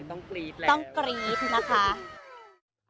ต้องกรี๊ดแล้วต้องกรี๊ดนะคะ